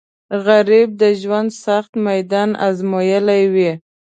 غریب د ژوند سخت میدان ازمویلی وي